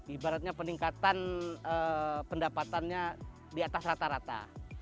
ibaratnya peningkatan pendapatannya di atas rata rata